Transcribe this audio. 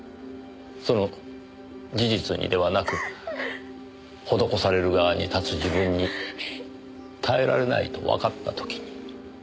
その事実にではなく施される側に立つ自分に耐えられないとわかった時に。